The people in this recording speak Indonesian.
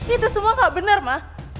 itu semua enggak benar ma